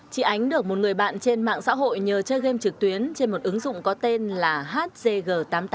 chị ánh được một người bạn trên mạng xã hội nhờ chơi game trực tuyến trên một ứng dụng có tên là hzg tám mươi tám